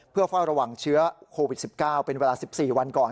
เพื่อเฝ้าระวังเชื้อโควิด๑๙เป็นเวลา๑๔วันก่อน